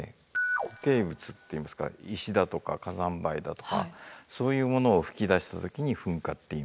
固形物っていいますか石だとか火山灰だとかそういうものを噴き出した時に噴火っていいます。